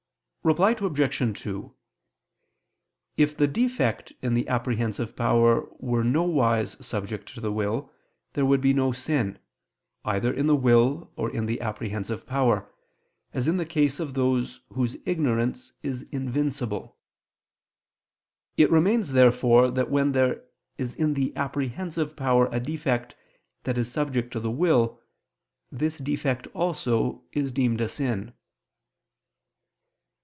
Reply Obj. 2: If the defect in the apprehensive power were nowise subject to the will, there would be no sin, either in the will, or in the apprehensive power, as in the case of those whose ignorance is invincible. It remains therefore that when there is in the apprehensive power a defect that is subject to the will, this defect also is deemed a sin.